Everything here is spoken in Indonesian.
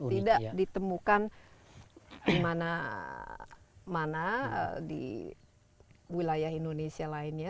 tidak ditemukan di mana di wilayah indonesia lainnya